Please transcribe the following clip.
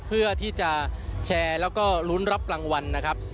เพื่อที่จะแชร์แล้วก็ลุ้นรับรางวัลนะครับ